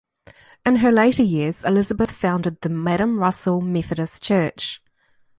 In her later years, Elizabeth founded the Madam Russell Methodist Church.